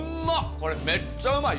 これめっちゃうまい！